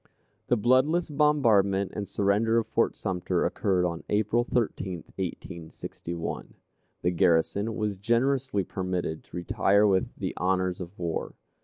The bloodless bombardment and surrender of Fort Sumter occurred on April 13, 1861. The garrison was generously permitted to retire with the honors of war.